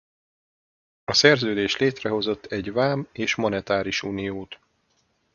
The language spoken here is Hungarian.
A szerződés létrehozott egy vám- és monetáris uniót.